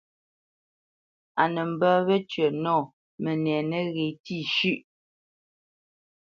A nə mbə́ wecyə̌ nɔ mənɛ nəghé tî shʉ̂ʼ.